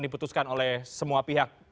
diputuskan oleh semua pihak